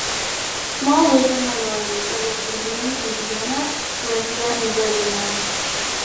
Small Lutheran minorities are located mainly in Vienna, Carinthia, and Burgenland.